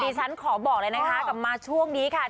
ฉันขอบอกเลยนะคะกลับมาช่วงนี้ค่ะ